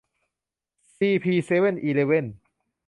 ซีพี เซเว่นอีเลฟเว่น